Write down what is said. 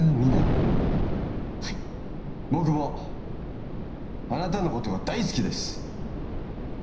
僕もあなたのことが大好きです！